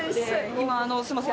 今すみません。